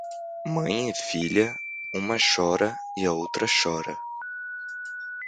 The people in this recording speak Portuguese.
Mãe e filha, uma chora e a outra chora.